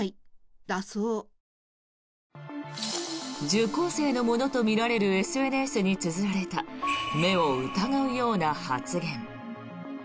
受講生のものとみられるＳＮＳにつづられた目を疑うような発言。